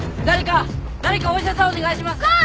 誰かお医者さんをお願いします！